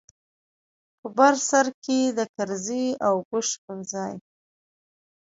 په بر سر کښې د کرزي او بوش پر ځاى.